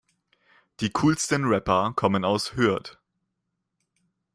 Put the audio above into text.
Die coolsten Rapper kommen aus Hürth.